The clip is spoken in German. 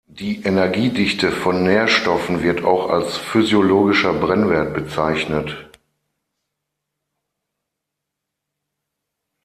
Die Energiedichte von Nährstoffen wird auch als physiologischer Brennwert bezeichnet.